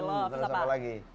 terus apa lagi